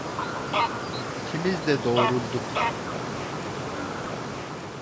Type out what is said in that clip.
İkimiz de doğrulduk.